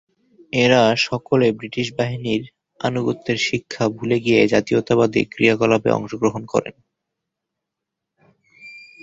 এঁরা সকলে ব্রিটিশ বাহিনীর আনুগত্যের শিক্ষা ভুলে গিয়ে জাতীয়তাবাদী ক্রিয়াকলাপে অংশগ্রহণ করেন।